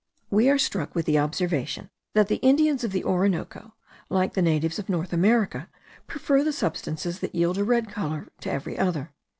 We are struck with the observation, that the Indians of the Orinoco, like the natives of North America, prefer the substances that yield a red colour to every other.